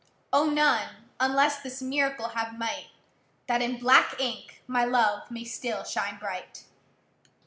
O! none, unless this miracle have might, That in black ink my love may still shine bright.